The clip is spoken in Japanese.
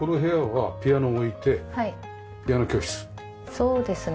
そうですね。